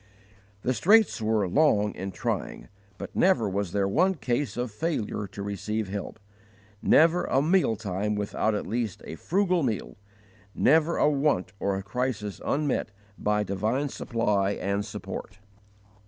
_ The straits were long and trying, but never was there one case of failure to receive help; never a meal time without at least a frugal meal, never a want or a crisis unmet by divine supply and support.